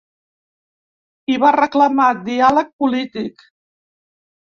I va reclamar diàleg polític.